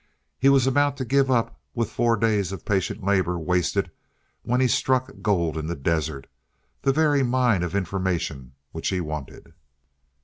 He was about to give up with four days of patient labor wasted when he struck gold in the desert the very mine of information which he wanted.